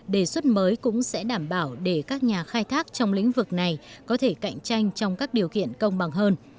đề xuất mới cũng sẽ đảm bảo để các nhà khai thác trong lĩnh vực này có thể cạnh tranh trong các điều kiện công bằng hơn